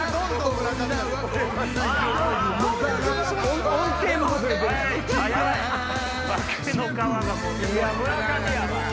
村上やわ。